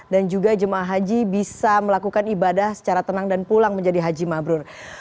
dan juga jemaah haji bisa melakukan ibadah secara tenang dan pulang menjadi haji mabrur